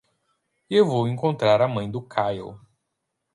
Eu vou encontrar a mãe do Kyle.